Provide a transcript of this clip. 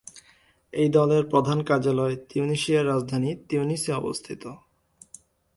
এই দলের প্রধান কার্যালয় তিউনিসিয়ার রাজধানী তিউনিসে অবস্থিত।